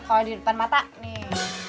kalau di depan mata nih